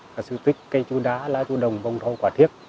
là sử thích cây chu đá lá chu đồng bông thâu quả thiếc